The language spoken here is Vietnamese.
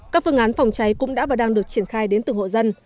các phương án phòng cháy cũng đã và đang được triển khai đến từng hộ dân